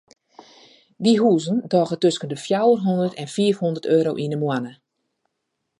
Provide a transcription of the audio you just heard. Dy huzen dogge tusken de fjouwer hondert en fiif hondert euro yn de moanne.